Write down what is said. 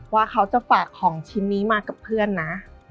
ว่าเขาจะฝากของชิ้นนี้มากับเพื่อนนะ